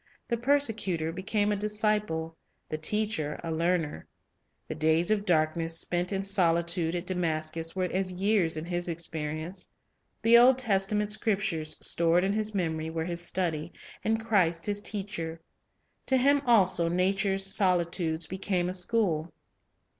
The perse cutor became a disciple, the teacher a learner. The days of darkness spent in solitude at Damascus were as years in his experience. The Old Testament Scrip tures stored in his memory were his study, and Christ his teacher. To him also nature's solitudes became a school.